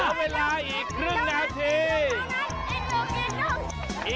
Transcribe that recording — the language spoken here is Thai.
เวลาอีกครึ่งนาที